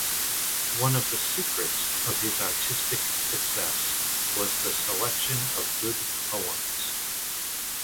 One of the secrets of his artistic success was the selection of good poems.